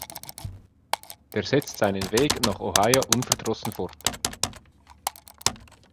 Der setzt seinen Weg nach Ohio unverdrossen fort.